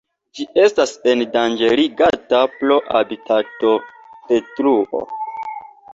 Ĝi estas endanĝerigata pro habitatodetruo.